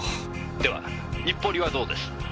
「では日暮里はどうです？」